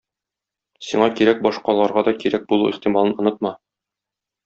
Сиңа кирәк башкаларга да кирәк булу ихтималын онытма.